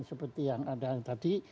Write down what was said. seperti yang anda tadi